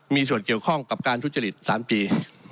มีส่วนเกี่ยวข้องกับการทุจริต๓ปี